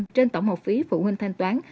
trên tổng học phí phụ huynh thanh toán